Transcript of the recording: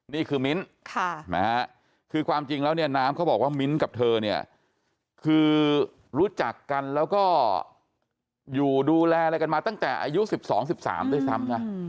มิ้นคือความจริงแล้วเนี่ยน้ำเขาบอกว่ามิ้นกับเธอเนี่ยคือรู้จักกันแล้วก็อยู่ดูแลอะไรกันมาตั้งแต่อายุ๑๒๑๓ด้วยซ้ำนะ